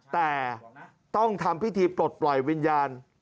แต่ต้องทำพิธีปลดปล่อยวิญญาณ